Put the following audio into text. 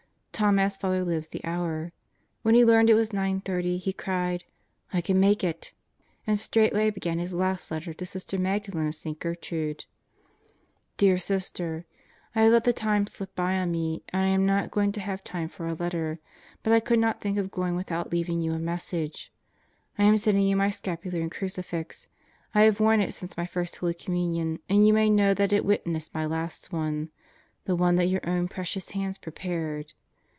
Tom asked Father Libs the hour. When he learned it was 9:30 he cried: "I can make it," and straightway began Ms last letter to Sister Magdalen of St. Gertrude, Dear Sister: I have let the time slip by on me and I am not going to have time for a letter, but I could not think of going without leaving you a message. I am sending you my scapular and crucifix. I have worn it since my First Holy Communion and you may know that it witnessed my last one the one that your own precious hands prepared.